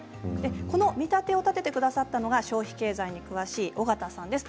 この見立てを立ててくださったのが消費経済に詳しい小方さんです。